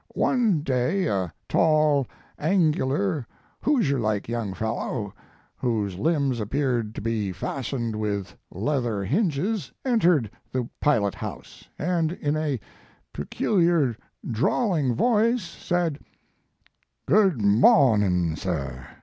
One day a tall, angular, hoosier like young fellow, whose limbs appeared to be fastened with leather hinges, entered the pilot house, and in a peculiar, drawling voice said: " Good mawnin, sir.